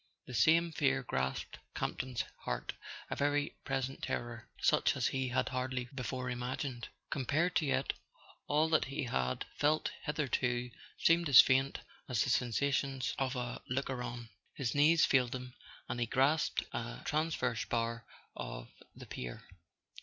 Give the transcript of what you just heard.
The same fear grasped Campton's heart, a very present terror, such as he had hardly before imagined. Compared to it, all that he had felt hitherto seemed as faint as the sensations of a looker on. His knees failed him, and he grasped a transverse bar of the pier.